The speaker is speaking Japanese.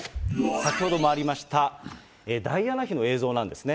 先ほどもありました、ダイアナ妃の映像なんですね。